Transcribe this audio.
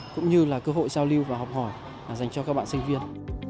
cũng như là cơ hội giao lưu và học hỏi dành cho các bạn sinh viên